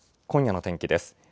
今夜の天気です。